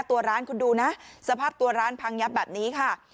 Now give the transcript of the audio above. ตัวร้านคุณดูนะสภาพตัวร้านพังยับแบบนี้ค่ะ